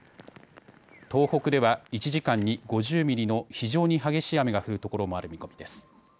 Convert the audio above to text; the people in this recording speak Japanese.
東北では１時間に５０ミリの非常に激しい雨が降るところもある見込みです。